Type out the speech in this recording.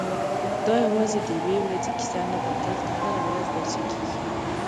دا یوازې د یوې ورځې کیسه نه ده، دلته هره ورځ داسې کېږي.